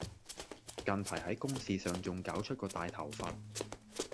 近排喺公事上仲搞出個大頭佛